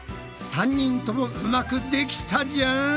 ３人ともうまくできたじゃん！